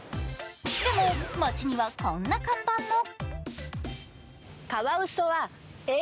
でも、街にはこんな看板も。